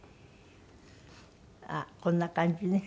あっこんな感じね。